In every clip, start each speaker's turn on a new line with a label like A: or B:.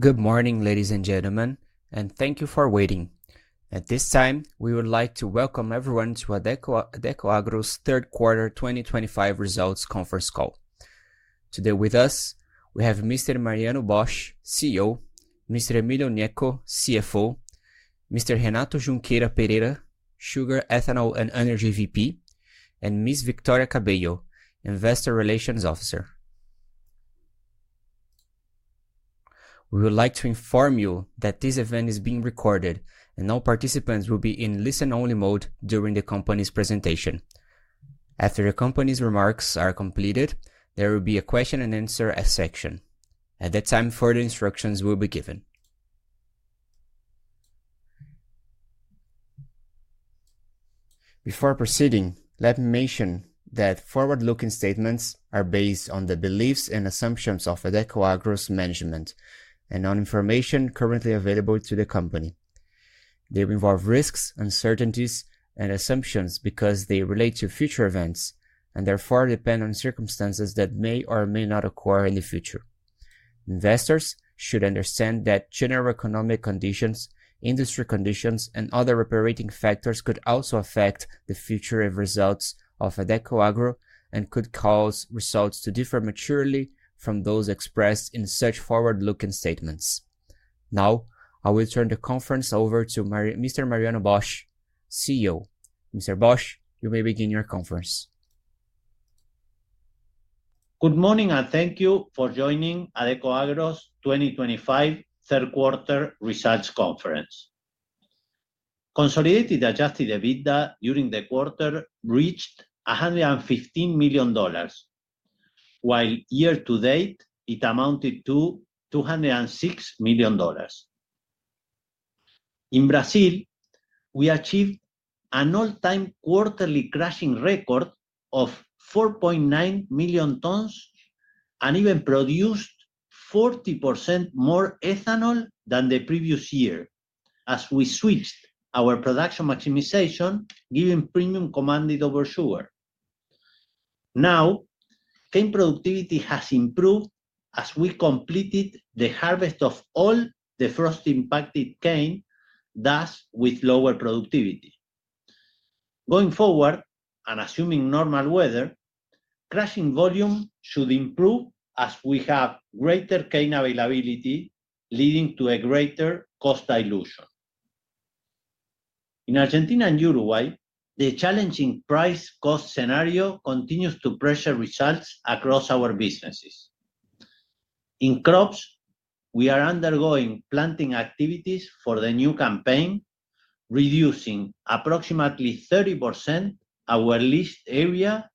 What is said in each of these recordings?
A: Good morning, ladies and gentlemen, and thank you for waiting. At this time, we would like to welcome everyone to Adecoagro's third quarter 2025 results conference call. Today with us, we have Mr. Mariano Bosch, CEO; Mr. Emilio Gnecco, CFO; Mr. Renato Junqueira Pereira, Sugar Ethanol and Energy VP; and Ms. Victoria Cabello, Investor Relations Officer. We would like to inform you that this event is being recorded, and all participants will be in listen-only mode during the company's presentation. After the company's remarks are completed, there will be a question-and-answer section. At that time, further instructions will be given. Before proceeding, let me mention that forward-looking statements are based on the beliefs and assumptions of Adecoagro's management and on information currently available to the company. They involve risks, uncertainties, and assumptions because they relate to future events and therefore depend on circumstances that may or may not occur in the future. Investors should understand that general economic conditions, industry conditions, and other operating factors could also affect the future results of Adecoagro and could cause results to differ materially from those expressed in such forward-looking statements. Now, I will turn the conference over to Mr. Mariano Bosch, CEO. Mr. Bosch, you may begin your conference.
B: Good morning, and thank you for joining Adecoagro's 2025 third quarter results conference. Consolidated adjusted EBITDA during the quarter reached $115 million, while year-to-date it amounted to $206 million. In Brazil, we achieved an all-time quarterly crushing record of 4.9 million tons and even produced 40% more ethanol than the previous year as we switched our production maximization, giving premium commanded over sugar. Now, cane productivity has improved as we completed the harvest of all the frost-impacted cane, thus with lower productivity. Going forward, and assuming normal weather, crushing volume should improve as we have greater cane availability, leading to a greater cost dilution. In Argentina and Uruguay, the challenging price-cost scenario continues to pressure results across our businesses. In crops, we are undergoing planting activities for the new campaign, reducing approximately 30% our leased area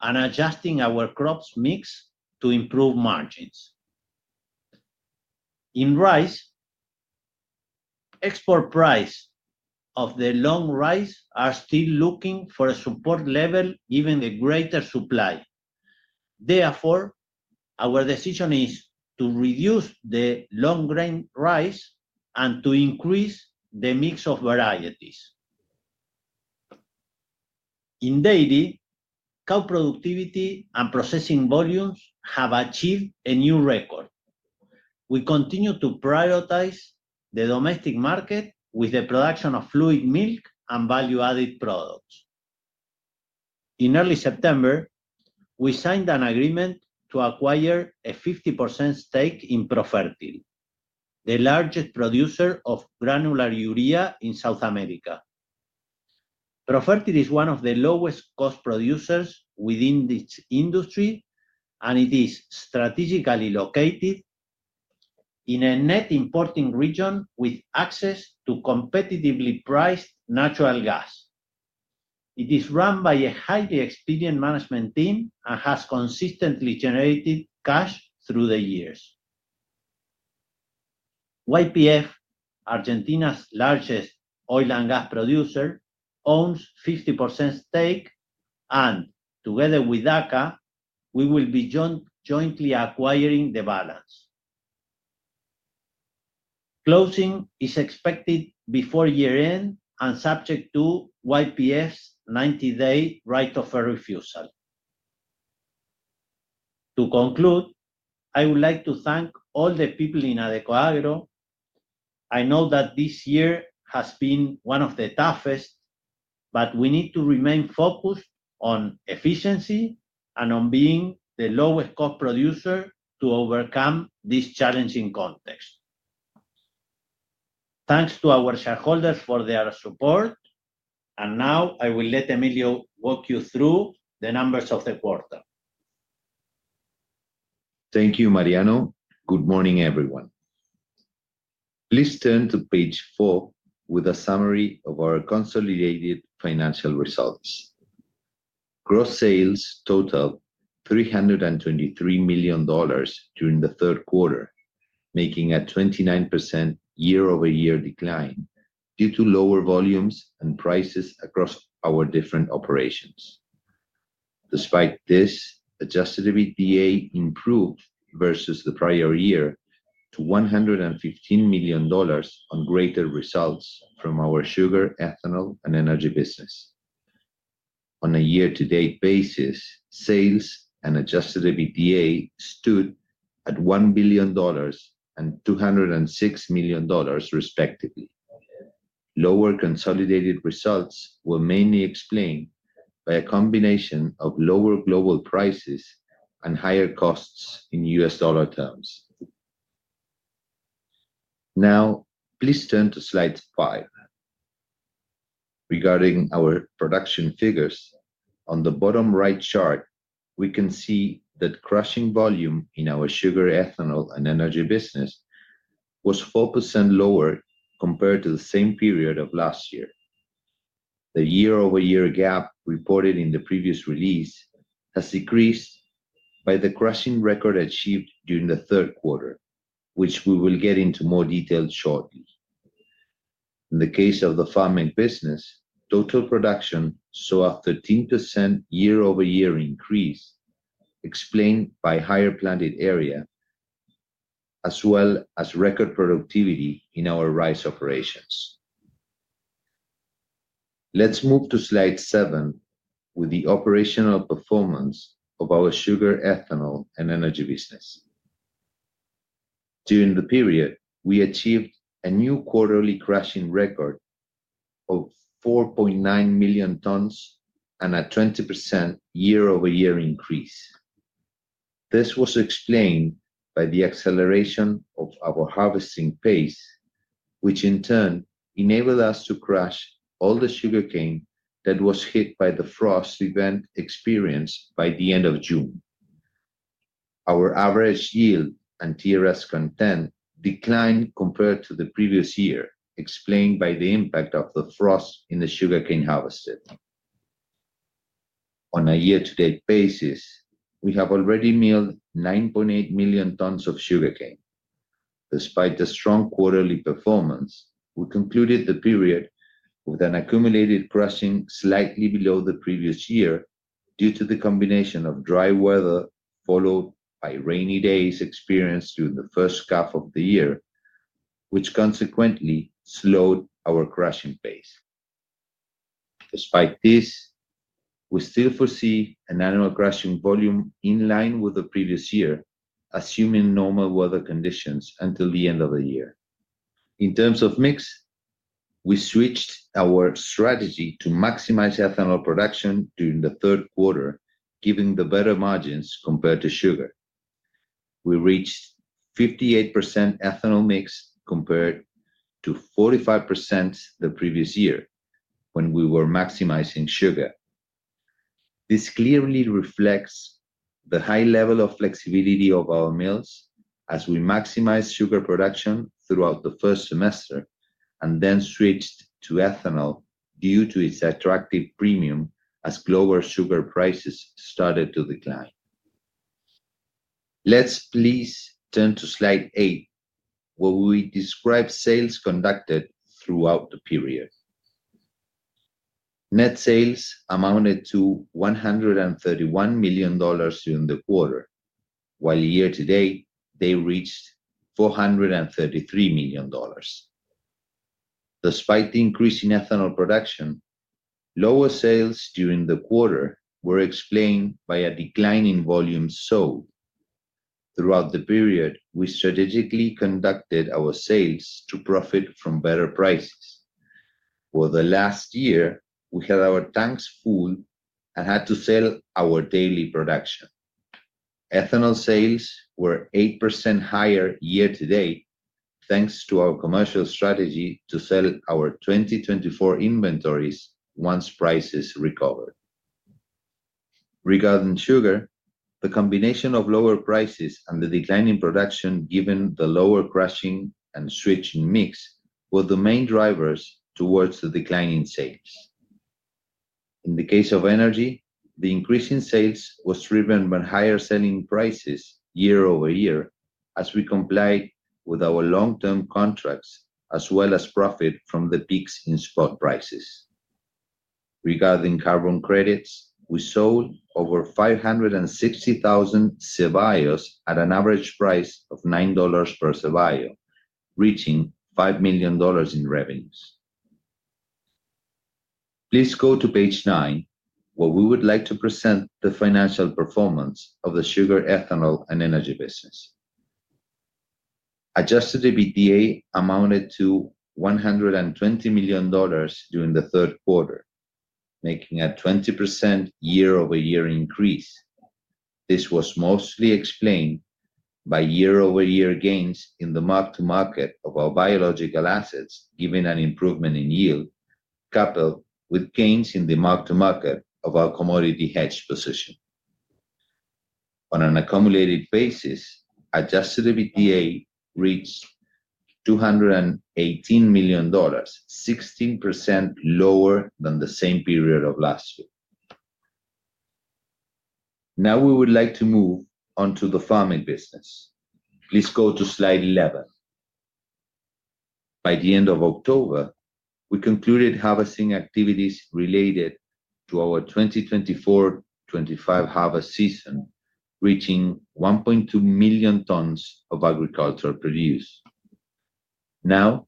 B: and adjusting our crops mix to improve margins. In rice, export prices of the long rice are still looking for a support level given the greater supply. Therefore, our decision is to reduce the long grain rice and to increase the mix of varieties. In dairy, cow productivity and processing volumes have achieved a new record. We continue to prioritize the domestic market with the production of fluid milk and value-added products. In early September, we signed an agreement to acquire a 50% stake in Profertil, the largest producer of granular urea in South America. Profertil is one of the lowest-cost producers within this industry, and it is strategically located in a net importing region with access to competitively priced natural gas. It is run by a highly experienced management team and has consistently generated cash through the years. YPF, Argentina's largest oil and gas producer, owns a 50% stake, and together with ACA, we will be jointly acquiring the balance. Closing is expected before year-end and subject to YPF's 90-day right of refusal. To conclude, I would like to thank all the people in Adecoagro. I know that this year has been one of the toughest, but we need to remain focused on efficiency and on being the lowest-cost producer to overcome this challenging context. Thanks to our shareholders for their support, and now I will let Emilio walk you through the numbers of the quarter.
C: Thank you, Mariano. Good morning, everyone. Please turn to page four with a summary of our consolidated financial results. Gross sales totaled $323 million during the third quarter, making a 29% year-over-year decline due to lower volumes and prices across our different operations. Despite this, adjusted EBITDA improved versus the prior year to $115 million on greater results from our sugar, ethanol, and energy business. On a year-to-date basis, sales and adjusted EBITDA stood at $1 billion and $206 million, respectively. Lower consolidated results were mainly explained by a combination of lower global prices and higher costs in US dollar terms. Now, please turn to slide five. Regarding our production figures, on the bottom right chart, we can see that crushing volume in our sugar, ethanol, and energy business was 4% lower compared to the same period of last year. The year-over-year gap reported in the previous release has decreased by the crushing record achieved during the third quarter, which we will get into more detail shortly. In the case of the farming business, total production saw a 13% year-over-year increase explained by higher planted area, as well as record productivity in our rice operations. Let's move to slide seven with the operational performance of our sugar, ethanol, and energy business. During the period, we achieved a new quarterly crushing record of 4.9 million tons and a 20% year-over-year increase. This was explained by the acceleration of our harvesting pace, which in turn enabled us to crush all the sugarcane that was hit by the frost event experienced by the end of June. Our average yield and TRS content declined compared to the previous year, explained by the impact of the frost in the sugarcane harvested. On a year-to-date basis, we have already milled 9.8 million tons of sugarcane. Despite the strong quarterly performance, we concluded the period with an accumulated crushing slightly below the previous year due to the combination of dry weather followed by rainy days experienced during the first half of the year, which consequently slowed our crushing pace. Despite this, we still foresee annual crushing volume in line with the previous year, assuming normal weather conditions until the end of the year. In terms of mix, we switched our strategy to maximize ethanol production during the third quarter, given the better margins compared to sugar. We reached 58% ethanol mix compared to 45% the previous year when we were maximizing sugar. This clearly reflects the high level of flexibility of our mills as we maximized sugar production throughout the first semester and then switched to ethanol due to its attractive premium as global sugar prices started to decline. Let's please turn to slide eight, where we describe sales conducted throughout the period. Net sales amounted to $131 million during the quarter, while year-to-date they reached $433 million. Despite the increase in ethanol production, lower sales during the quarter were explained by a decline in volume sold. Throughout the period, we strategically conducted our sales to profit from better prices. For the last year, we had our tanks full and had to sell our daily production. Ethanol sales were 8% higher year-to-date thanks to our commercial strategy to sell our 2024 inventories once prices recovered. Regarding sugar, the combination of lower prices and the declining production given the lower crushing and switching mix were the main drivers towards the declining sales. In the case of energy, the increase in sales was driven by higher selling prices year-over-year as we complied with our long-term contracts as well as profit from the peaks in spot prices. Regarding carbon credits, we sold over 560,000 cevallos at an average price of $9 per cevallo, reaching $5 million in revenues. Please go to page nine, where we would like to present the financial performance of the sugar, ethanol, and energy business. Adjusted EBITDA amounted to $120 million during the third quarter, making a 20% year-over-year increase. This was mostly explained by year-over-year gains in the mark-to-market of our biological assets, giving an improvement in yield coupled with gains in the mark-to-market of our commodity hedge position. On an accumulated basis, adjusted EBITDA reached $218 million, 16% lower than the same period of last year. Now we would like to move on to the farming business. Please go to slide 11. By the end of October, we concluded harvesting activities related to our 2024-2025 harvest season, reaching 1.2 million tons of agriculture produced. Now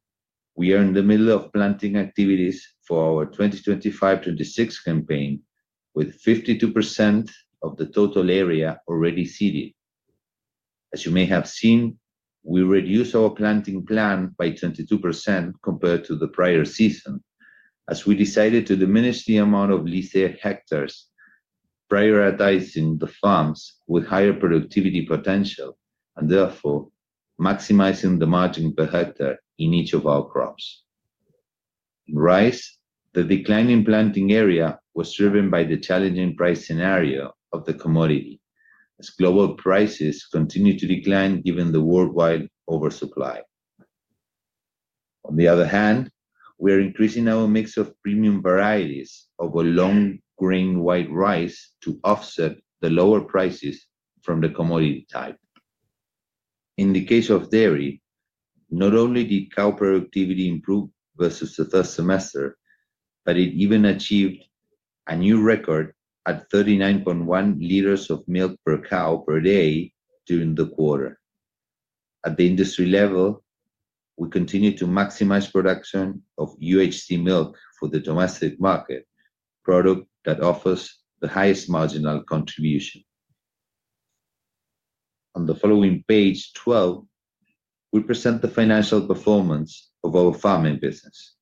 C: we are in the middle of planting activities for our 2025-2026 campaign with 52% of the total area already seeded. As you may have seen, we reduced our planting plan by 22% compared to the prior season as we decided to diminish the amount of lease hectares, prioritizing the farms with higher productivity potential and therefore maximizing the margin per hectare in each of our crops. In rice, the declining planting area was driven by the challenging price scenario of the commodity as global prices continue to decline given the worldwide oversupply. On the other hand, we are increasing our mix of premium varieties of a long grain white rice to offset the lower prices from the commodity type. In the case of dairy, not only did cow productivity improve versus the first semester, but it even achieved a new record at 39.1 liters of milk per cow per day during the quarter. At the industry level, we continue to maximize production of UHT milk for the domestic market, a product that offers the highest marginal contribution. On the following page 12, we present the financial performance of our farming business.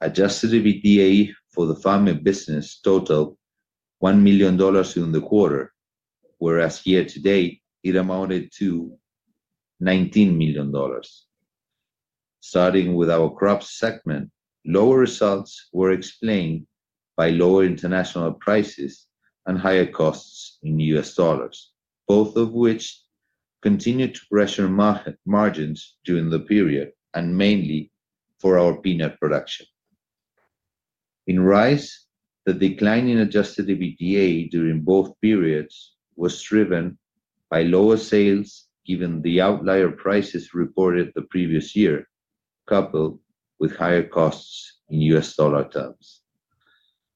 C: Adjusted EBITDA for the farming business totaled $1 million during the quarter, whereas year-to-date it amounted to $19 million. Starting with our crops segment, lower results were explained by lower international prices and higher costs in US dollars, both of which continued to pressure margins during the period and mainly for our peanut production. In rice, the decline in adjusted EBITDA during both periods was driven by lower sales given the outlier prices reported the previous year coupled with higher costs in US dollar terms.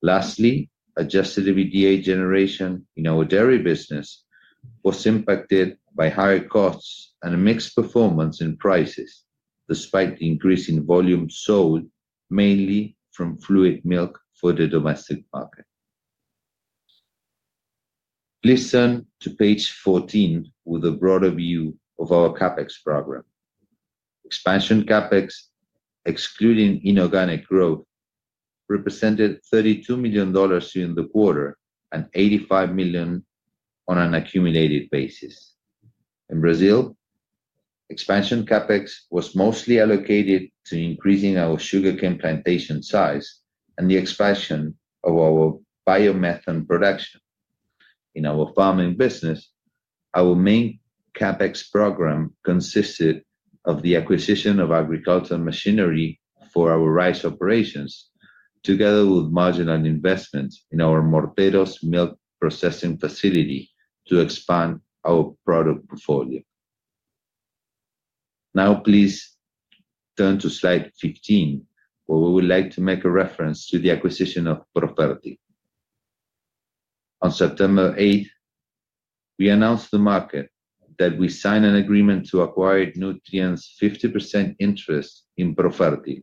C: Lastly, adjusted EBITDA generation in our dairy business was impacted by higher costs and mixed performance in prices despite the increase in volume sold mainly from fluid milk for the domestic market. Please turn to page 14 with a broader view of our CapEx program. Expansion CapEx, excluding inorganic growth, represented $32 million during the quarter and $85 million on an accumulated basis. In Brazil, expansion CapEx was mostly allocated to increasing our sugarcane plantation size and the expansion of our biomethane production. In our farming business, our main CapEx program consisted of the acquisition of agricultural machinery for our rice operations together with marginal investments in our Morteros milk processing facility to expand our product portfolio. Now, please turn to slide 15, where we would like to make a reference to the acquisition of Profertil. On September 8, we announced to the market that we signed an agreement to acquire Nutrien's 50% interest in Profertil,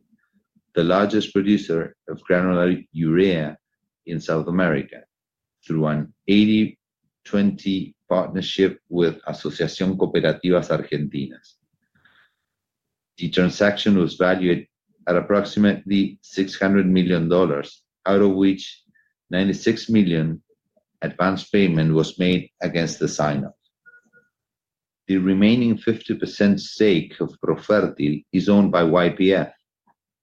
C: the largest producer of granular urea in South America, through an 80/20 partnership with Asociación Cooperativas Argentinas. The transaction was valued at approximately $600 million, out of which $96 million advance payment was made against the sign-up. The remaining 50% stake of Profertil is owned by YPF,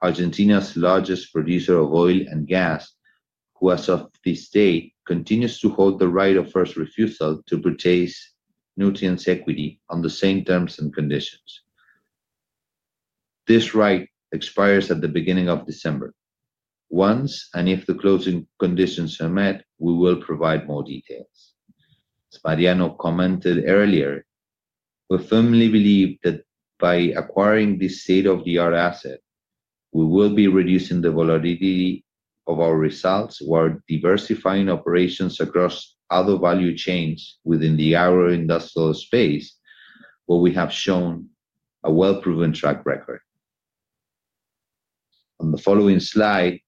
C: Argentina's largest producer of oil and gas, who as of this day continues to hold the right of first refusal to purchase Nutrien's equity on the same terms and conditions. This right expires at the beginning of December. Once and if the closing conditions are met, we will provide more details. As Mariano commented earlier, we firmly believe that by acquiring this state-of-the-art asset, we will be reducing the volatility of our results while diversifying operations across other value chains within the agro-industrial space, where we have shown a well-proven track record. On the following slide,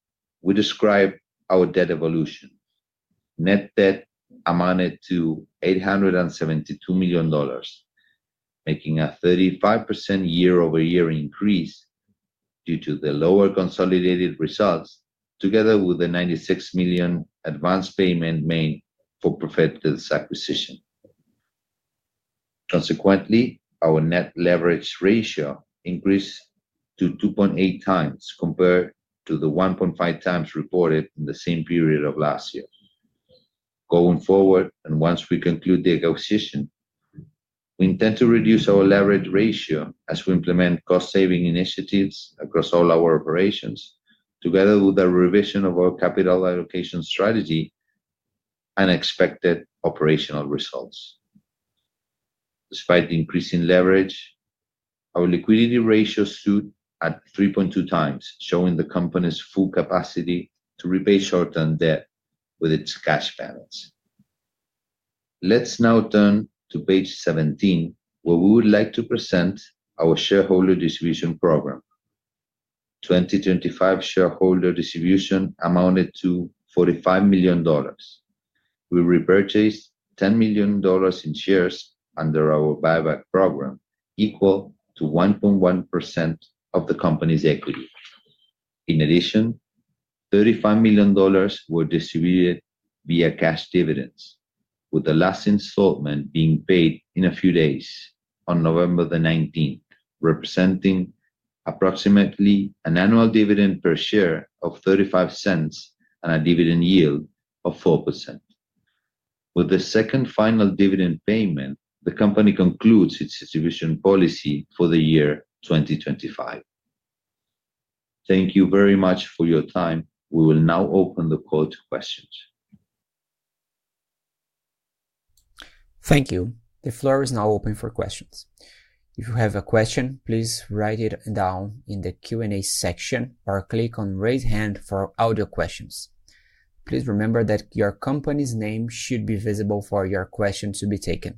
C: we describe our debt evolution. Net debt amounted to $872 million, making a 35% year-over-year increase due to the lower consolidated results together with the $96 million advance payment made for Profertil's acquisition. Consequently, our net leverage ratio increased to 2.8x compared to the 1.5x reported in the same period of last year. Going forward, and once we conclude the acquisition, we intend to reduce our leverage ratio as we implement cost-saving initiatives across all our operations together with a revision of our capital allocation strategy and expected operational results. Despite the increasing leverage, our liquidity ratio stood at 3.2x, showing the company's full capacity to repay short-term debt with its cash balance. Let's now turn to page 17, where we would like to present our shareholder distribution program. 2025 shareholder distribution amounted to $45 million. We repurchased $10 million in shares under our buyback program, equal to 1.1% of the company's equity. In addition, $35 million were distributed via cash dividends, with the last installment being paid in a few days on November the 19th, representing approximately an annual dividend per share of $0.35 and a dividend yield of 4%. With the second final dividend payment, the company concludes its distribution policy for the year 2025. Thank you very much for your time. We will now open the call to questions.
A: Thank you. The floor is now open for questions. If you have a question, please write it down in the Q&A section or click on raise hand for audio questions. Please remember that your company's name should be visible for your question to be taken.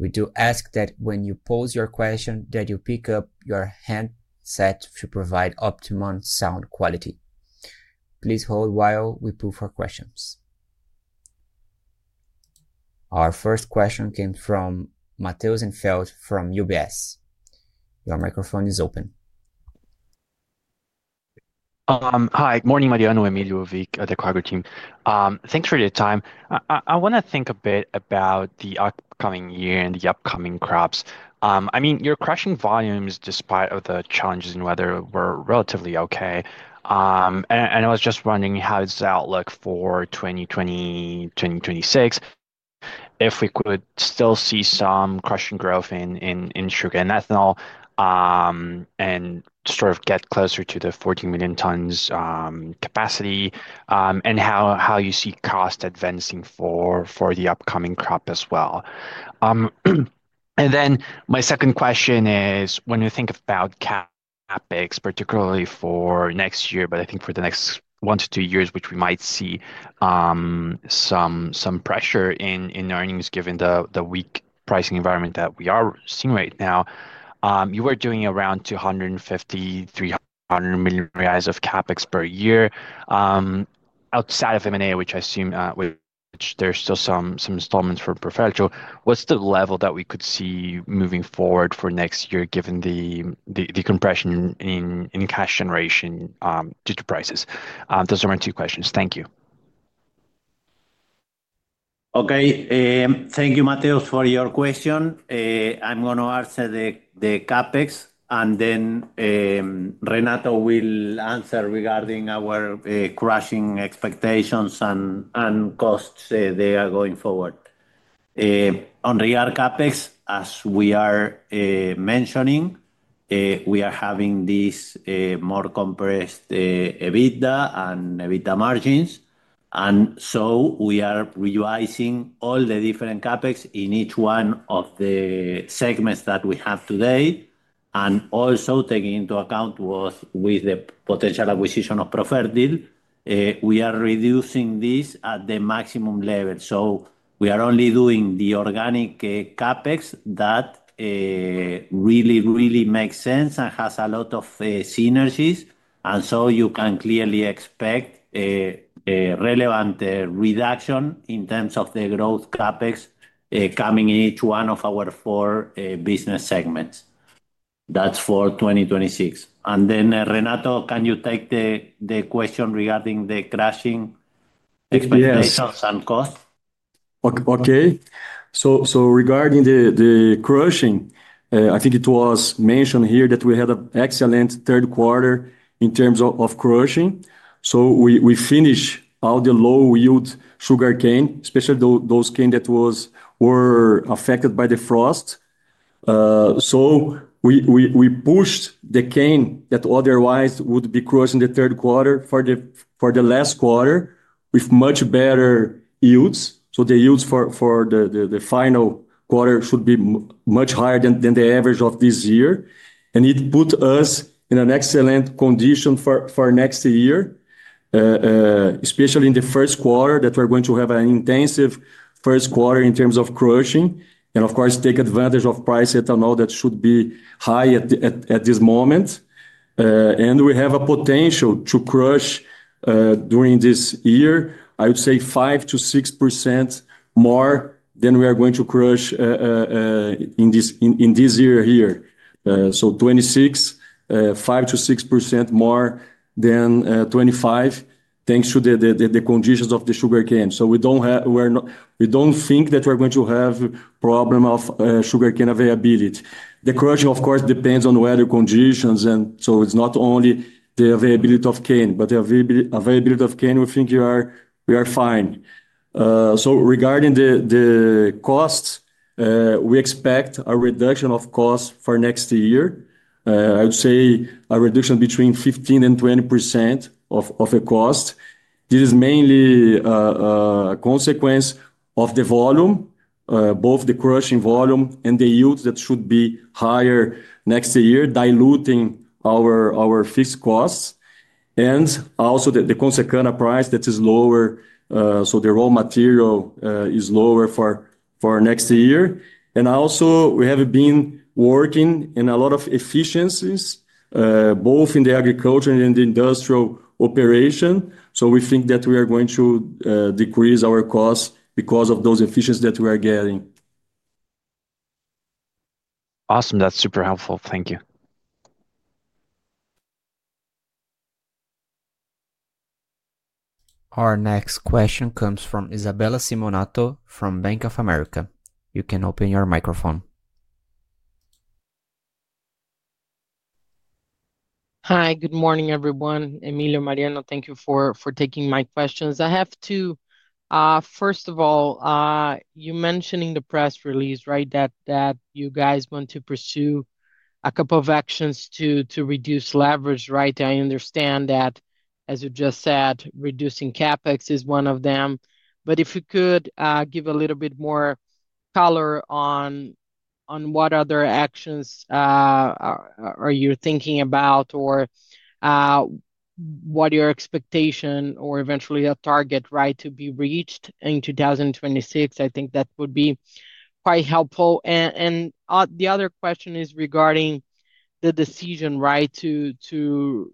A: We do ask that when you pose your question, that you pick up your handset to provide optimum sound quality. Please hold while we pull for questions. Our first question came from Matheus Enfeldt from UBS. Your microphone is open.
D: Hi, good morning, Mariano, Emilio, Vic, the Cargo team. Thanks for your time. I want to think a bit about the upcoming year and the upcoming crops. I mean, your crushing volumes, despite the challenges in weather, were relatively okay. I was just wondering how's that look for 2025-2026, if we could still see some crushing growth in sugar and ethanol and sort of get closer to the 14 million tons capacity and how you see cost advancing for the upcoming crop as well. My second question is, when we think about CapEx, particularly for next year, but I think for the next one to two years, which we might see some pressure in earnings given the weak pricing environment that we are seeing right now, you were doing around 250 million-300 million reais of CapEx per year. Outside of M&A, which I assume there's still some installments for Profertil, what's the level that we could see moving forward for next year given the compression in cash generation due to prices? Those are my two questions. Thank you.
B: Okay. Thank you, Matheus, for your question. I'm going to answer the CapEx, and then Renato will answer regarding our crushing expectations and costs they are going forward. On regard CapEx, as we are mentioning, we are having this more compressed EBITDA and EBITDA margins. We are revising all the different CapEx in each one of the segments that we have today. Also taking into account with the potential acquisition of Profertil, we are reducing this at the maximum level. We are only doing the organic CapEx that really, really makes sense and has a lot of synergies. You can clearly expect relevant reduction in terms of the growth CapEx coming in each one of our four business segments. That is for 2026. Renato, can you take the question regarding the crushing expectations and cost?
E: Okay. Regarding the crushing, I think it was mentioned here that we had an excellent third quarter in terms of crushing. We finished out the low-yield sugarcane, especially those canes that were affected by the frost. We pushed the cane that otherwise would be crushed in the third quarter for the last quarter with much better yields. The yields for the final quarter should be much higher than the average of this year. It put us in an excellent condition for next year, especially in the first quarter that we are going to have an intensive first quarter in terms of crushing and, of course, take advantage of price ethanol that should be high at this moment. We have a potential to crush during this year, I would say 5%-6% more than we are going to crush in this year here. Twenty-six percent, 5%-6% more than 25% thanks to the conditions of the sugarcane. We do not think that we are going to have a problem of sugarcane availability. The crushing, of course, depends on weather conditions. It is not only the availability of cane, but the availability of cane, we think we are fine. Regarding the cost, we expect a reduction of costs for next year. I would say a reduction between 15%-20% of the cost. This is mainly a consequence of the volume, both the crushing volume and the yields that should be higher next year, diluting our fixed costs. Also, the Consecana price is lower, so the raw material is lower for next year. We have been working in a lot of efficiencies, both in the agriculture and in the industrial operation. We think that we are going to decrease our costs because of those efficiencies that we are getting.
D: Awesome. That's super helpful. Thank you.
A: Our next question comes from Isabella Simonato from Bank of America. You can open your microphone.
F: Hi, good morning, everyone. Emilio, Mariano, thank you for taking my questions. I have two. First of all, you mentioned in the press release, right, that you guys want to pursue a couple of actions to reduce leverage, right? I understand that, as you just said, reducing CapEx is one of them. If you could give a little bit more color on what other actions are you thinking about or what your expectation or eventually a target, right, to be reached in 2026, I think that would be quite helpful. The other question is regarding the decision, right, to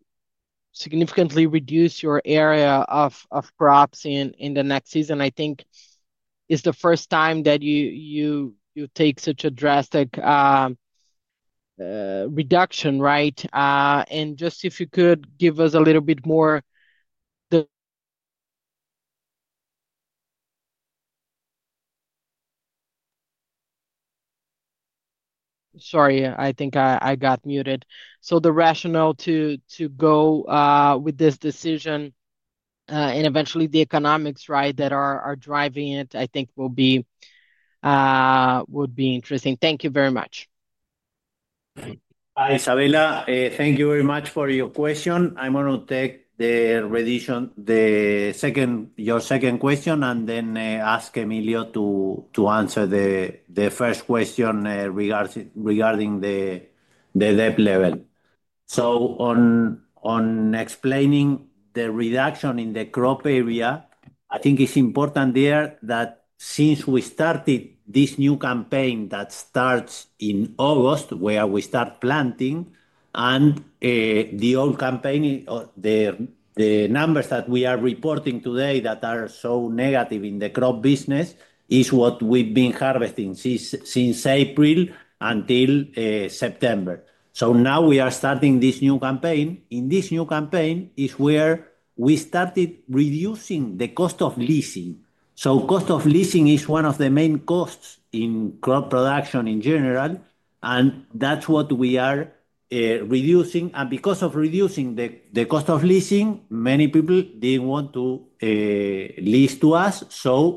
F: significantly reduce your area of crops in the next season. I think it's the first time that you take such a drastic reduction, right? If you could give us a little bit more—the sorry, I think I got muted. The rationale to go with this decision and eventually the economics, right, that are driving it, I think would be interesting. Thank you very much.
B: Hi, Isabella. Thank you very much for your question. I'm going to take your second question and then ask Emilio to answer the first question regarding the debt level. On explaining the reduction in the crop area, I think it's important there that since we started this new campaign that starts in August, where we start planting, and the old campaign, the numbers that we are reporting today that are so negative in the crop business is what we've been harvesting since April until September. Now we are starting this new campaign. In this new campaign is where we started reducing the cost of leasing. Cost of leasing is one of the main costs in crop production in general. That's what we are reducing. Because of reducing the cost of leasing, many people didn't want to lease to us.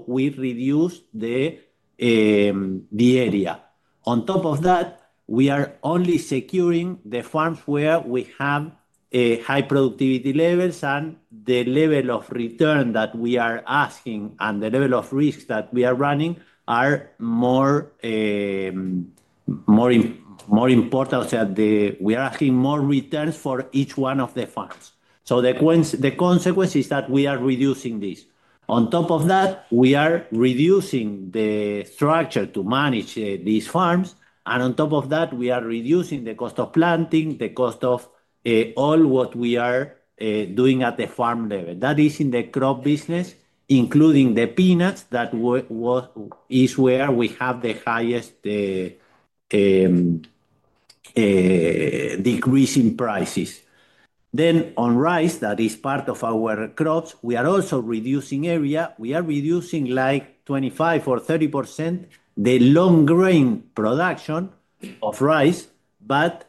B: We reduced the area. On top of that, we are only securing the farms where we have high productivity levels and the level of return that we are asking and the level of risk that we are running are more important, that we are asking more returns for each one of the farms. The consequence is that we are reducing this. On top of that, we are reducing the structure to manage these farms. On top of that, we are reducing the cost of planting, the cost of all what we are doing at the farm level. That is in the crop business, including the peanuts, that is where we have the highest decrease in prices. On rice, that is part of our crops, we are also reducing area. We are reducing like 25% or 30% the long grain production of rice, but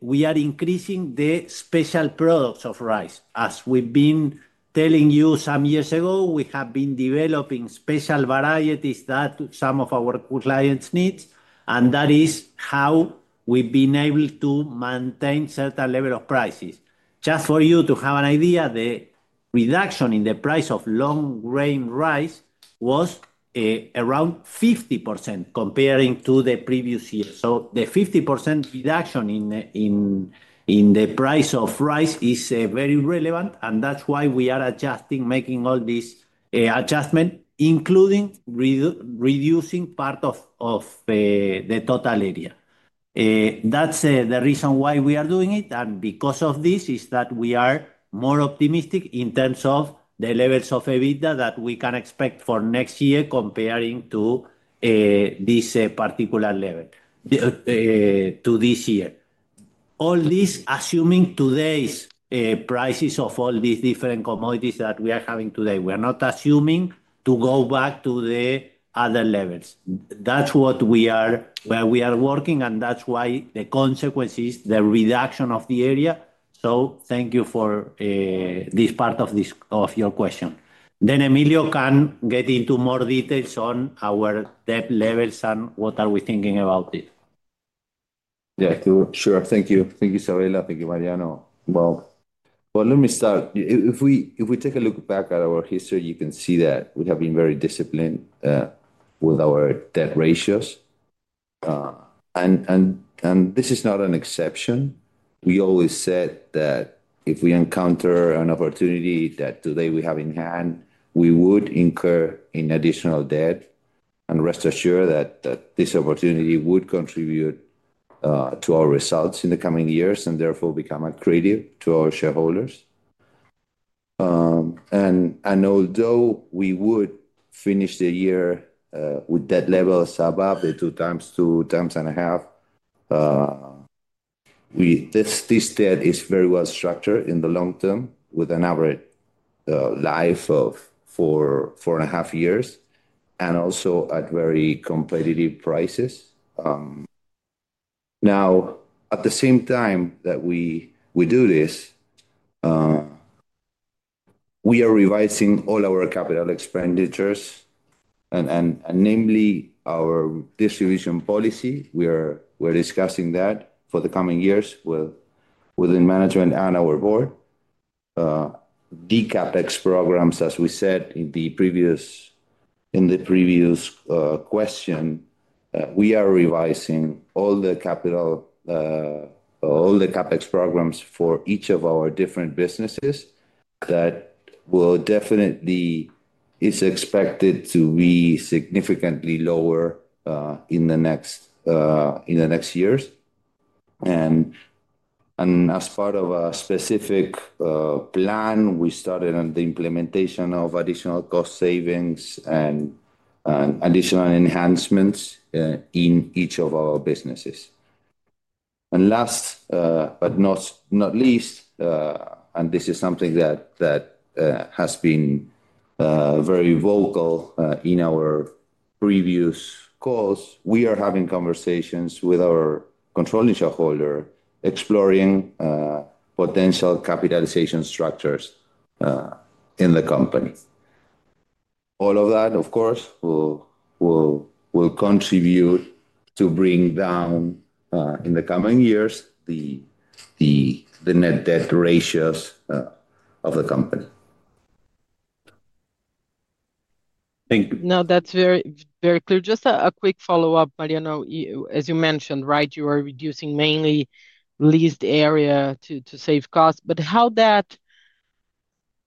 B: we are increasing the special products of rice. As we've been telling you some years ago, we have been developing special varieties that some of our clients need. That is how we've been able to maintain certain level of prices. Just for you to have an idea, the reduction in the price of long grain rice was around 50% comparing to the previous year. The 50% reduction in the price of rice is very relevant. That is why we are adjusting, making all these adjustments, including reducing part of the total area. That is the reason why we are doing it. Because of this, we are more optimistic in terms of the levels of EBITDA that we can expect for next year comparing to this particular level to this year. All this assuming today's prices of all these different commodities that we are having today. We are not assuming to go back to the other levels. That is what we are working. That is why the consequence is the reduction of the area. Thank you for this part of your question. Emilio can get into more details on our debt levels and what we are thinking about it.
C: Yeah, sure. Thank you. Thank you, Isabella. Thank you, Mariano. Let me start. If we take a look back at our history, you can see that we have been very disciplined with our debt ratios. This is not an exception. We always said that if we encounter an opportunity that today we have in hand, we would incur in additional debt. Rest assured that this opportunity would contribute to our results in the coming years and therefore become accredited to our shareholders. Although we would finish the year with debt levels above the 2x, 2.5x, this debt is very well structured in the long term with an average life of four and a half years and also at very competitive prices. Now, at the same time that we do this, we are revising all our capital expenditures, and namely our distribution policy. We are discussing that for the coming years within management and our board. The CapEx programs, as we said in the previous question, we are revising all the CapEx programs for each of our different businesses that will definitely is expected to be significantly lower in the next years. As part of a specific plan, we started on the implementation of additional cost savings and additional enhancements in each of our businesses. Last but not least, and this is something that has been very vocal in our previous calls, we are having conversations with our controlling shareholder exploring potential capitalization structures in the company. All of that, of course, will contribute to bring down in the coming years the net debt ratios of the company. Thank you.
F: No, that's very clear. Just a quick follow-up, Mariano. As you mentioned, right, you are reducing mainly leased area to save costs. How does that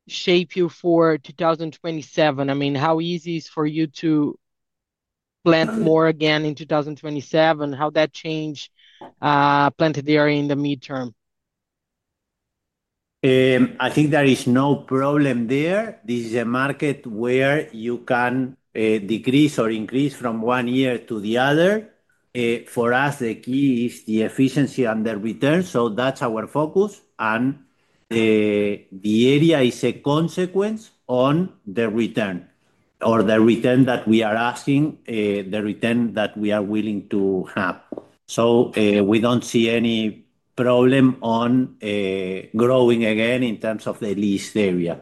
F: shape you for 2027? I mean, how easy is it for you to plant more again in 2027? How does that change planted area in the midterm?
B: I think there is no problem there. This is a market where you can decrease or increase from one year to the other. For us, the key is the efficiency and the return. That is our focus. The area is a consequence on the return or the return that we are asking, the return that we are willing to have. We do not see any problem on growing again in terms of the leased area.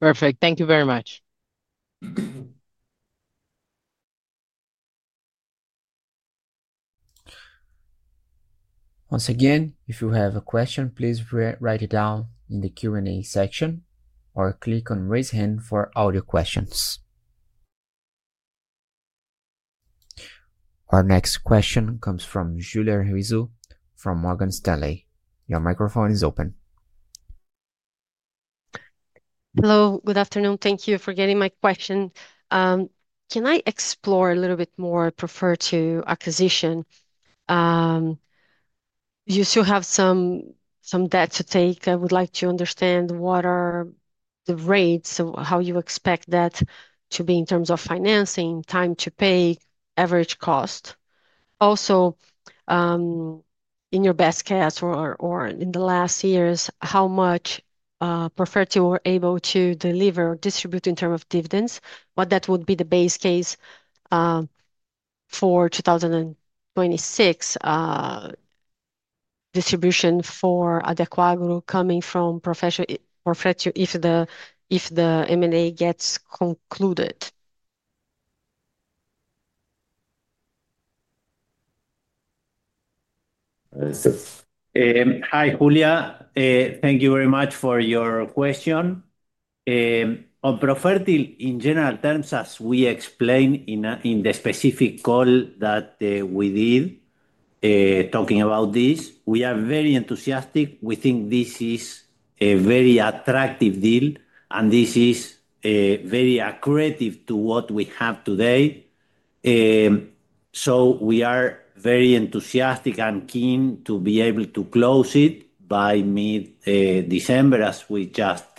F: Perfect. Thank you very much.
A: Once again, if you have a question, please write it down in the Q&A section or click on raise hand for audio questions. Our next question comes from Julia Rizzo from Morgan Stanley. Your microphone is open.
G: Hello. Good afternoon. Thank you for getting my question. Can I explore a little bit more? I refer to the acquisition. You still have some debt to take. I would like to understand what are the rates, how you expect that to be in terms of financing, time to pay, average cost. Also, in your best case or in the last years, how much you prefer to be able to deliver or distribute in terms of dividends? What would be the base case for 2026 distribution for Adecoagro coming from Profertil if the M&A gets concluded?
B: Hi, Julia. Thank you very much for your question. On Profertil, in general terms, as we explained in the specific call that we did talking about this, we are very enthusiastic. We think this is a very attractive deal. And this is very accretive to what we have today. So we are very enthusiastic and keen to be able to close it by mid-December, as we just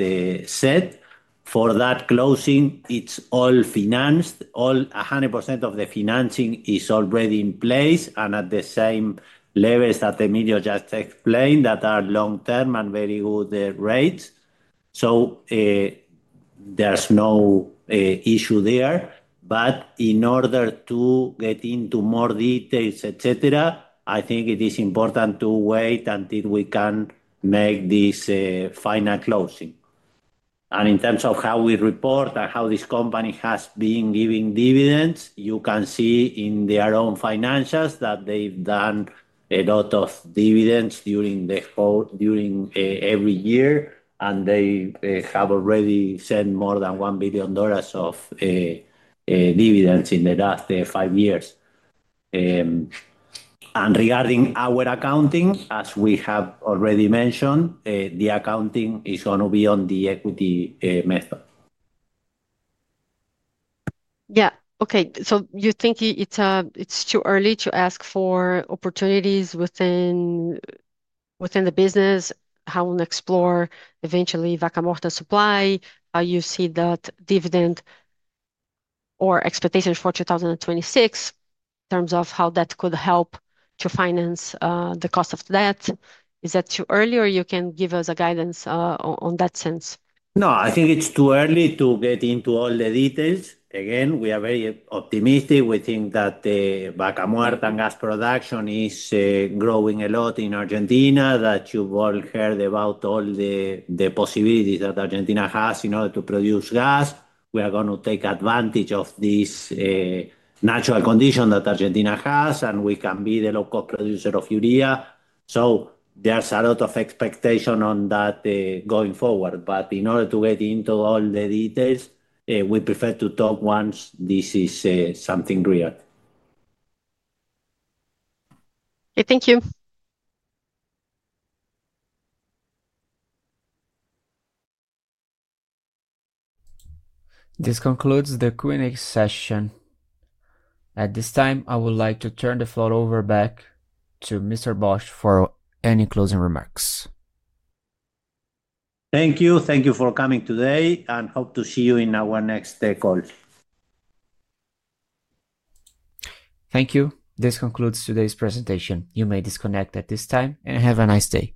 B: said. For that closing, it is all financed. All 100% of the financing is already in place and at the same levels that Emilio just explained that are long-term and very good rates. There is no issue there. In order to get into more details, etc., I think it is important to wait until we can make this final closing. In terms of how we report and how this company has been giving dividends, you can see in their own financials that they've done a lot of dividends during every year. They have already sent more than $1 billion of dividends in the last five years. Regarding our accounting, as we have already mentioned, the accounting is going to be on the equity method.
G: Yeah. Okay. So you think it's too early to ask for opportunities within the business? How to explore eventually Vaca Muerta supply? How you see that dividend or expectations for 2026 in terms of how that could help to finance the cost of debt? Is that too early or you can give us guidance on that sense?
B: No, I think it's too early to get into all the details. Again, we are very optimistic. We think that Vaca Muerta and gas production is growing a lot in Argentina, that you've all heard about all the possibilities that Argentina has in order to produce gas. We are going to take advantage of this natural condition that Argentina has, and we can be the local producer of urea. There is a lot of expectation on that going forward. In order to get into all the details, we prefer to talk once this is something real.
G: Okay. Thank you.
A: This concludes the Q&A session. At this time, I would like to turn the floor over back to Mr. Bosch for any closing remarks.
B: Thank you. Thank you for coming today. Hope to see you in our next call.
A: Thank you. This concludes today's presentation. You may disconnect at this time and have a nice day.